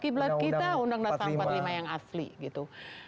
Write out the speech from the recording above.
kiblat kita undang dasar empat puluh lima yang asli gitu